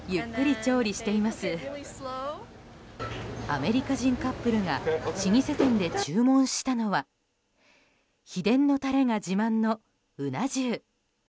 アメリカ人カップルが老舗店で注文したのは秘伝のタレが自慢のうな重。